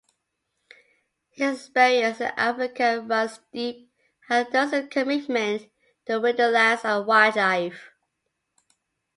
His experience in Africa runs deep, as does his commitment to wilderlands and wildlife.